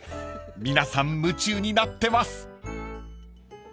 ［皆さん夢中になってます］